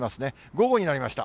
午後になりました。